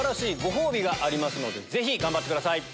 ぜひ頑張ってください。